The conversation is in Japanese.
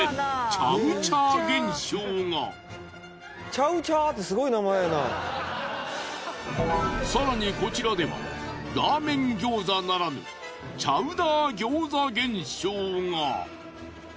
チャウチャーって更にこちらではラーメン餃子ならぬチャウダー餃子現象が。